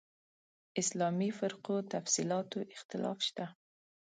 اسلامي فرقو تفصیلاتو اختلاف شته.